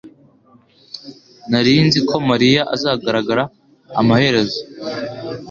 Nari nzi ko mariya azagaragara amaherezo